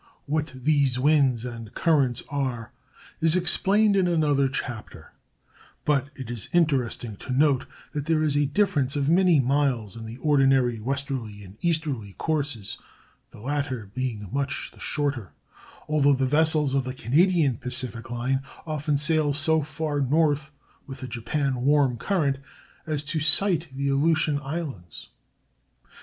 What these winds and currents are is explained in another chapter; but it is interesting to note that there is a difference of many miles in the ordinary westerly and easterly courses, the latter being much the shorter, although the vessels of the Canadian Pacific Line often sail so far north with the Japan warm current as to sight the Aleutian Islands.